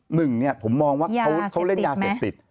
หนึ่งผมมองว่าเขาเล่นยาเศรษฐิต